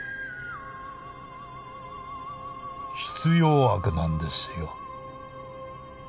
必要悪なんですよ